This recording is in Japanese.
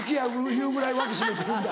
いうぐらい脇締めてるんだ。